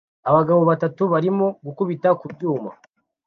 Abagabo batatu barimo gukubita ku byuma